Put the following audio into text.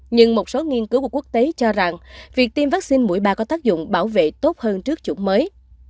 nhưng một số nghiên cứu của quốc tế cho rằng việc tiêm vaccine mũi ba có tác dụng bảo vệ tốt hơn trước chủng mới